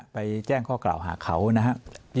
ไปแจ้งข้อกล่าวหาเขานะฮะ